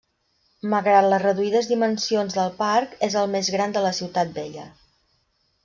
Malgrat les reduïdes dimensions del parc, és el més gran de la Ciutat Vella.